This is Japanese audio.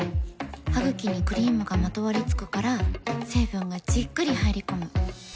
ハグキにクリームがまとわりつくから成分がじっくり入り込む。